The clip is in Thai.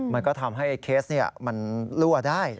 มันก็ทำให้เคสมันรั่วได้